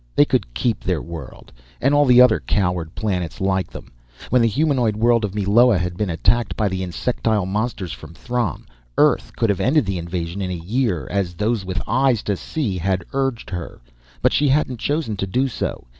They could keep their world and all the other coward planets like them! When the humanoid world of Meloa had been attacked by the insectile monsters from Throm, Earth could have ended the invasion in a year, as those with eyes to see had urged her. But she hadn't chosen to do so.